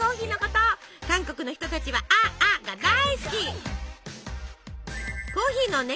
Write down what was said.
韓国の人たちはア．アが大好き！